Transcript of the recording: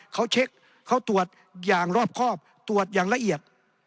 เขาเช็คเขาตรวจอย่างรอบครอบตรวจอย่างละเอียด